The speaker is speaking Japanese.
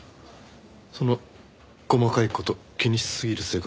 その細かい事を気にしすぎる性格